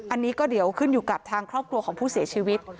อันนี้ก็เดี๋ยวขึ้นอยู่กับทางครอบครัวของผู้เสียชีวิต